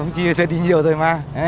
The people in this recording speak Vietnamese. chỉ sẽ đi nhiều rồi mà